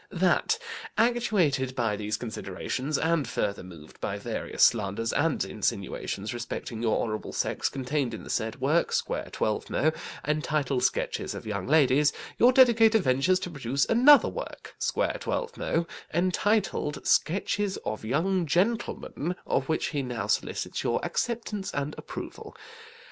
THAT actuated by these considerations, and further moved by various slanders and insinuations respecting your Honourable sex contained in the said work, square twelvemo, entitled 'Sketches of Young Ladies,' your Dedicator ventures to produce another work, square twelvemo, entitled 'Sketches of Young Gentlemen,' of which he now solicits your acceptance and approval.